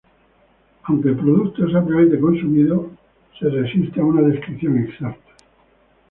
Aunque el producto es ampliamente consumido, se resiste a una descripción exacta.